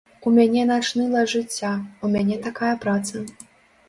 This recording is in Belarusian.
У мяне начны лад жыцця, у мяне такая праца.